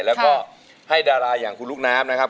แล้วก็ให้ดาราอย่างคุณลูกน้ำนะครับ